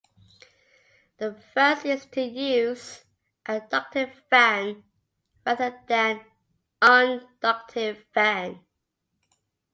The first is to use a ducted fan rather than an un-ducted fan.